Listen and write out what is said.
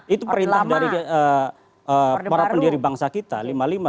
itu perintah dari para pendiri bangsa kita